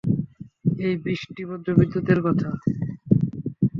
এই বৃষ্টিবজ্রবিদ্যুতের কথা!